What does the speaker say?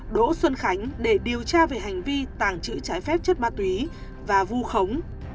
đỗ xuân khánh để điều tra về hành vi tàng trữ trái phép chất ma túy và vu khống